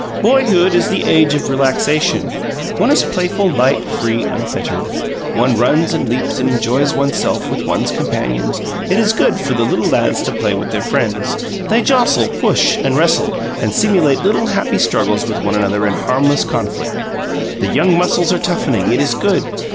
"Boyhood is the age of relaxation; one is playful, light, free, unfettered. One runs and leaps and enjoys one's self with one's companions. It is good for the little lads to play with their friends; they jostle, push, and wrestle, and simulate little, happy struggles with one another in harmless conflict. The young muscles are toughening. It is good.